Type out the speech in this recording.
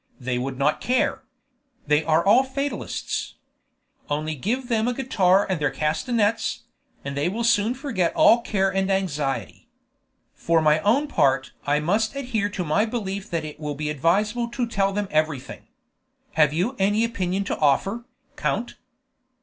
They would not care. They are all fatalists. Only give them a guitar and their castanets, and they will soon forget all care and anxiety. For my own part, I must adhere to my belief that it will be advisable to tell them everything. Have you any opinion to offer, count?"